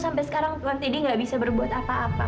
sampai sekarang tuan teddy nggak bisa berbuat apa apa